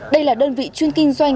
đây là đơn vị chuyên kinh doanh